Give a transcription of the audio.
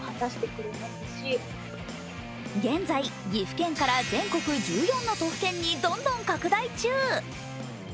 現在、岐阜県から全国１４の都府県にどんどん拡大中。